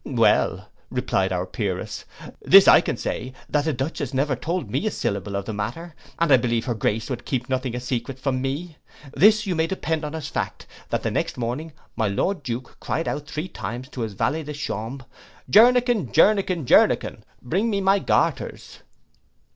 'Well,' replied our Peeress, 'this I can say, that the Dutchess never told me a syllable of the matter, and I believe her Grace would keep nothing a secret from me. This you may depend upon as fact, that the next morning my Lord Duke cried out three times to his valet de chambre, Jernigan, Jernigan, Jernigan, bring me my garters.